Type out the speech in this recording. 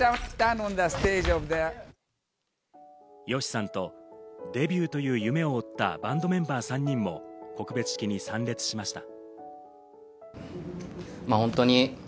ＹＯＳＨＩさんとデビューという夢を追ったバンドメンバー３人も告別式に参列しました。